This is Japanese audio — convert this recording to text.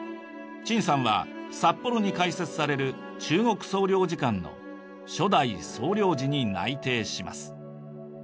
陳さんは札幌に開設される中国総領事館の初代総領事に内定します。